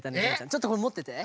ちょっとこれもってて。